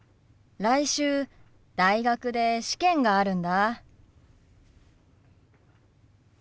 来週大学で試験があるんだ。